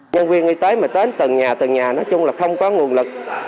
nhân viên y tế mà đến từng nhà từng nhà nói chung là không có nguồn lực